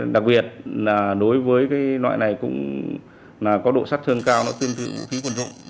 đặc biệt đối với loại này cũng có độ sắt thương cao nó tương tự vũ khí quân dụng